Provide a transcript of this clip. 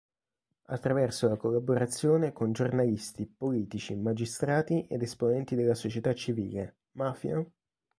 Attraverso la collaborazione con giornalisti, politici, magistrati ed esponenti della società civile, "Mafia?